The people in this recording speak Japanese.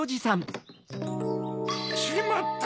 しまった！